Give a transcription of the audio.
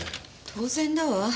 当然だわ。